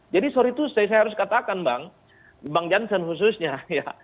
jadi sorry to say saya harus katakan bang bang jansen khususnya ya